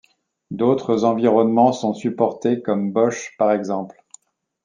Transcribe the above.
D'autres environnements sont supportés comme Bochs par exemple.